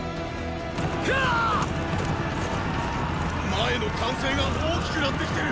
前の喚声が大きくなってきてる！